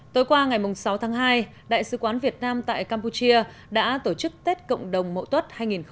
tối qua ngày sáu tháng hai đại sứ quán việt nam tại campuchia đã tổ chức tết cộng đồng mậu tuất hai nghìn hai mươi